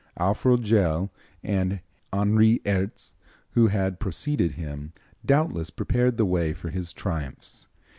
Alfred Jaell and Henri Herz, who had preceded him, doubtless prepared the way for his triumphs.